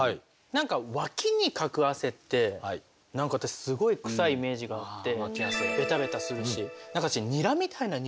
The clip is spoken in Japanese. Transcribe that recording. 何かワキにかく汗って私すごい臭いイメージがあってベタベタするし。